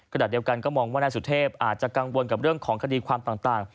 ขณะเดียวกันก็มองว่านายสุเทพอาจจะกังวลกับเรื่องของคดีความต่าง